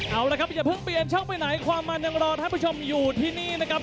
เอาละครับอย่าเพิ่งเปลี่ยนช่องไปไหนความมันยังรอท่านผู้ชมอยู่ที่นี่นะครับ